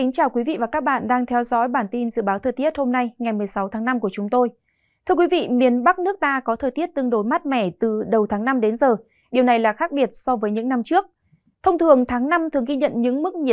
các bạn hãy đăng ký kênh để ủng hộ kênh của chúng mình nhé